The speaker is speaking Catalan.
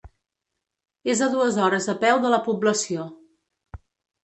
És a dues hores a peu de la població.